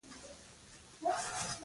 تحریم په فخر رانقل کړی دی